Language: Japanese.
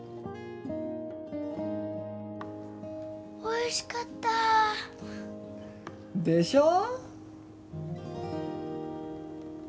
おいしかった！でしょ？